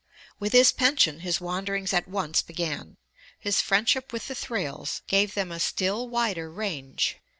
With his pension his wanderings at once began. His friendship with the Thrales gave them a still wider range.